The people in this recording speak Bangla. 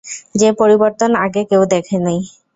যে পরিবর্তন আগে কেউ দেখনি।